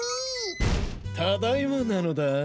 ただいまなのだ。